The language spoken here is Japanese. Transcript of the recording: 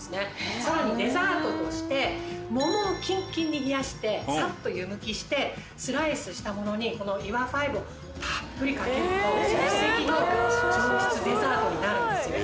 さらにデザートとして桃をキンキンに冷やしてサッと湯むきしてスライスしたものにこのＩＷＡ５をたっぷりかけると即席のデザートになるんですよ。